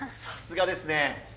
さすがですね！